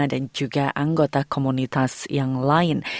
dan juga anggota komunitas yang lain